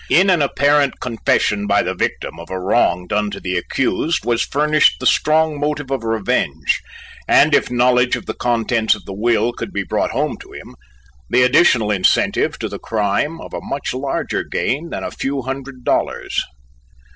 In an apparent confession by the victim of a wrong done to the accused was furnished the strong motive of revenge, and if knowledge of the contents of the will could be brought home to him, the additional incentive, to the crime, of a much larger gain than a few hundred dollars.